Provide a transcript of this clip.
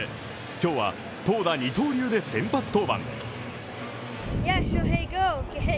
今日は投打二刀流で先発登板。